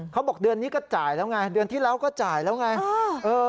เขาบอกเดือนนี้ก็จ่ายแล้วไงเดือนที่แล้วก็จ่ายแล้วไง